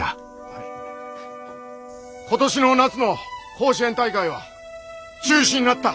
今年の夏の甲子園大会は中止になった。